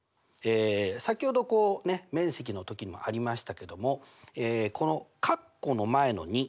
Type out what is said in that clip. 先ほど面積の時もありましたけどもこのかっこの前の２。